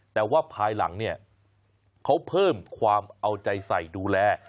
แต่ว่าภายหลังเนี่ยเขาเพิ่มความเอาใจใส่ดูแล